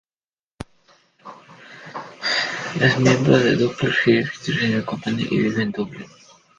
Es miembro del Purple Heart Theatre Company y vive en Dublín.